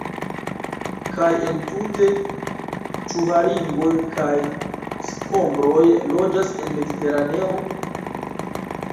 Kaj entute, ĉu haringoj kaj skombroj loĝas en Mediteraneo?